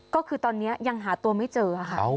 ก็คือตอนนี้ยังหาตัวไม่เจอค่ะ